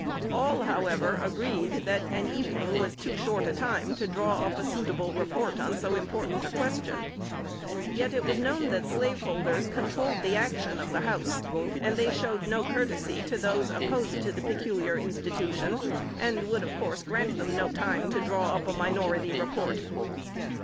All however agreed, that an evening was too short a time to draw up a suitable report on so important a question; yet it was known that slaveholders controlled the action of the House, and they showed no courtesy to those opposed to the "peculiar institution," and would of course grant no time to draw up a minority report.